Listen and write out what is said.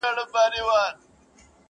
چي رمې به گرځېدلې د مالدارو٫